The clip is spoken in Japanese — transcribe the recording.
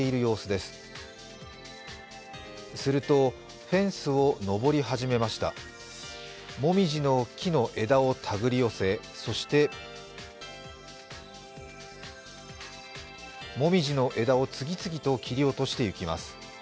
すると、フェンスを登り始めましたもみじの木の枝を手繰り寄せそしてもみじの枝を次々と切り落としていきます。